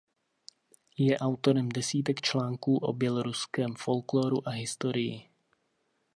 Je autorem desítek článků o běloruském folkloru a historii.